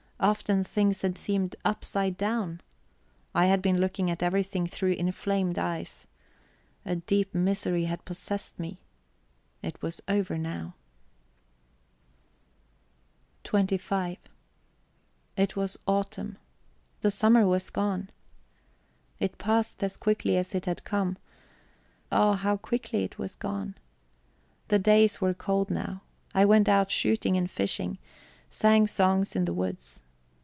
Often things had seemed upside down. I had been looking at everything through inflamed eyes. A deep misery had possessed me. It was over now. XXV It was autumn. The summer was gone. It passed as quickly as it had come; ah, how quickly it was gone! The days were cold now. I went out shooting and fishing sang songs in the woods.